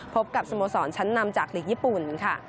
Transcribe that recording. พบกับสโมสรชั้นนำจากหลีกญี่ปุ่นค่ะ